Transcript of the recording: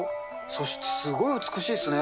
そして、すごい美しいですね。